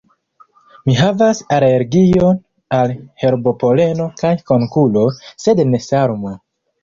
Mi havas alergion al herbopoleno kaj konkulo, sed ne salmo.